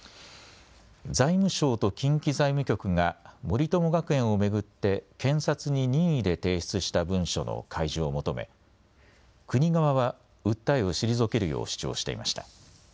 財務省と近畿財務局が森友学園を巡って検察に任意で提出した文書の開示を求め国側は訴えを退けるよう主張していました。